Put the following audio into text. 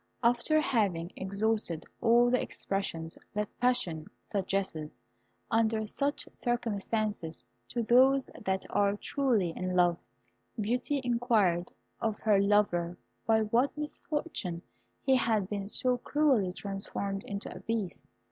After having exhausted all the expressions that passion suggests under such circumstances to those that are truly in love, Beauty inquired of her lover by what misfortune he had been so cruelly transformed into a beast.